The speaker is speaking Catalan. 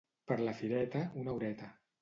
Per la fireta, una horeta.